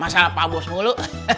masalah pak bos mulu